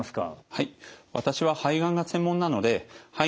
はい。